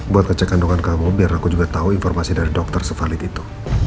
buat ngecek kandungan kamu biar aku juga tahu informasi dari dokter sevalid itu